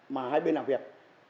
mà hai bên làm việc